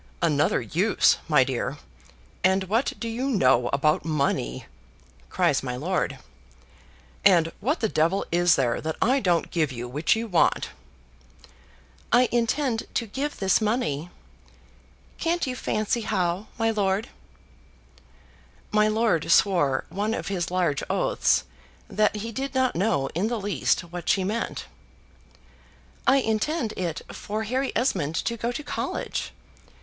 "Another use, my dear; and what do you know about money?" cries my lord. "And what the devil is there that I don't give you which you want!" "I intend to give this money can't you fancy how, my lord?" My lord swore one of his large oaths that he did not know in the least what she meant. "I intend it for Harry Esmond to go to college.